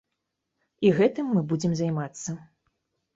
І гэтым мы будзем займацца.